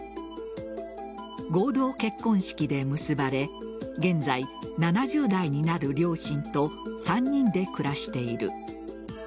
合同結婚式で結ばれ現在、７０代になる両親と３人で暮らしている。